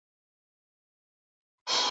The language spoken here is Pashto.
محتسب چي هره ورځ آزارولم `